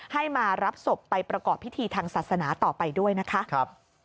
ให้มารับศพไปประกอบพิธีทางศาสนาต่อไปด้วยนะคะ